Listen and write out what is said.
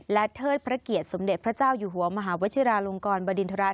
และเทิดพระเกียรติสมเด็จพระเจ้าอยู่หัวมหาวชิราลงกรบดินทราช